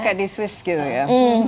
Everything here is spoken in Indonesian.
kayak di swiss gitu ya